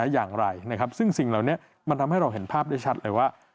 อย่างไรนะครับซึ่งสิ่งเหล่านี้มันทำให้เราเห็นภาพได้ชัดเลยว่า